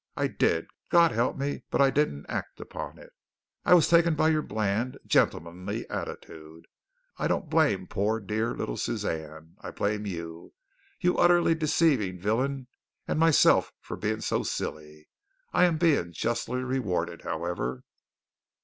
I did, God help me! but I didn't act upon it. I was taken by your bland, gentlemanly attitude. I don't blame poor, dear little Suzanne. I blame you, you utterly deceiving villain and myself for being so silly. I am being justly rewarded, however."